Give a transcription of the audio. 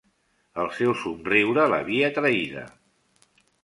El seu somriure l'havia traïda.